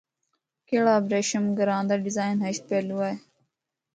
کڑہ ابریشم گراں دا ڈیزین ہشت پہلو ہے۔